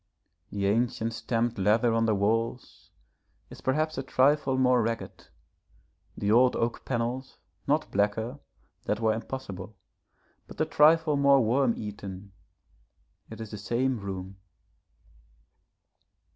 The ancient stamped leather on the walls is perhaps a trifle more ragged, the old oak panels not blacker that were impossible but a trifle more worm eaten; it is the same room.